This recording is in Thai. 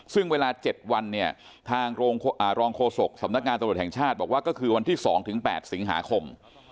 ซึ่งเวลา๗วันเนี่ยทางรองโฆษกสำนักงานตำรวจแห่งชาติบอกว่าก็คือวันที่๒๘สิงหาคม